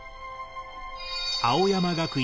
青山学院